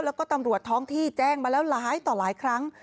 แล้วก็ตำรวจท้องที่แจ้งมาแล้วหลายต่อหลายครั้ง